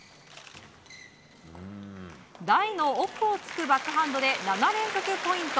台の奥を突くバックハンドで７連続ポイント。